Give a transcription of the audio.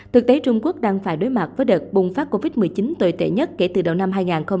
thực tế trung quốc đang phải đối mặt với đợt bùng phát covid một mươi chín tồi tệ nhất kể từ đầu năm hai nghìn hai mươi